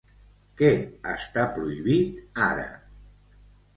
Què està prohibit ara?